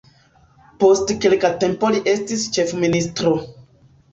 Post kelka tempo li estis ĉefministro.